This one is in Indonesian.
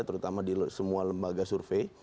terutama di semua lembaga survei